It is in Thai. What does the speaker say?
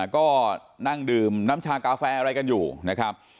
ก็นั่งดื่มน้ำชากาแฟอะไรกันอยู่นะครับ